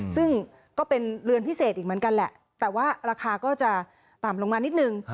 ซึ่งก็เป็นเรือนพิเศษอีกเหมือนกันแหละแต่ว่าราคาก็จะต่ำลงมานิดนึง